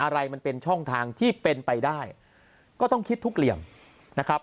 อะไรมันเป็นช่องทางที่เป็นไปได้ก็ต้องคิดทุกเหลี่ยมนะครับ